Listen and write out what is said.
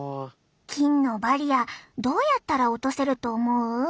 菌のバリアどうやったら落とせると思う？